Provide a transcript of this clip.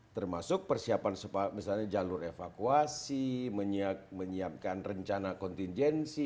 termasuk persiapan misalnya jalur evakuasi menyiapkan rencana kontingensi